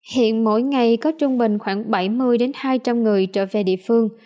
hiện mỗi ngày có trung bình khoảng bảy mươi hai trăm linh người trở về địa phương